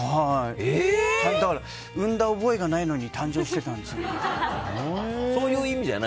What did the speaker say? だから、生んだ覚えがないのに誕生していたんです。